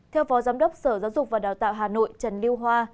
theo phó giám đốc sở giáo dục và đào tạo hà nội trần lưu hoa